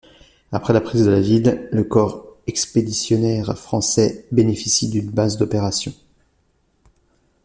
Après la prise de la ville, le corps expéditionnaire français bénéficie d'une base d'opérations.